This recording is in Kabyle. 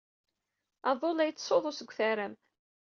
Aḍu la d-yettsuḍu seg utaram.